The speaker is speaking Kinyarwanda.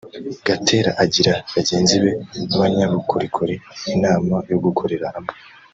Gaterai agira bagenzi be b’abanyabukorikori inama yo gukorera hamwe